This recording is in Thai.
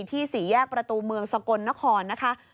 สี่แยกประตูเมืองสกลนครนะคะ